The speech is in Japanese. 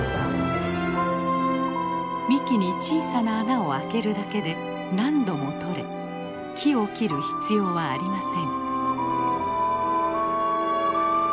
幹に小さな穴をあけるだけで何度もとれ木を切る必要はありません。